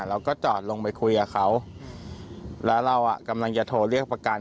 เราก็จอดลงไปคุยกับเขาแล้วเราอ่ะกำลังจะโทรเรียกประกัน